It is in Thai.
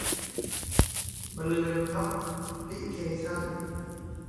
บันลือพับลิเคชั่นส์